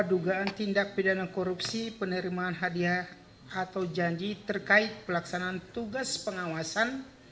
dugaan tindak pidana korupsi penerimaan hadiah atau janji terkait pelaksanaan tugas pengawasan